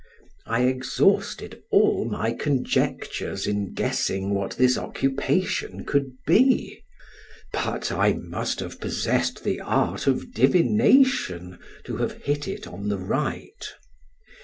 I exhausted all my conjectures in guessing what this occupation could be, but I must have possessed the art of divination to have hit it on the right.